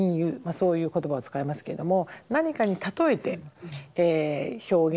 そういう言葉を使いますけども何かに例えて表現をする。